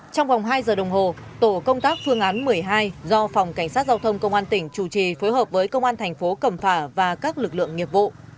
trong vòng hai giờ đồng hồ tổ công tác phương án một mươi hai do phòng cảnh sát giao thông công an tỉnh chủ trì phối hợp với công an thành phố cẩm phả và các lực lượng nghiệp vụ